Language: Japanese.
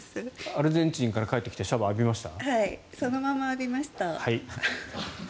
アルゼンチンから帰ってきてシャワー浴びました？